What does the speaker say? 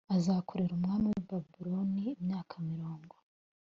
azakorera umwami w i Babuloni imyaka mirongo